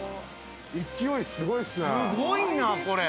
勢いすごいっすね。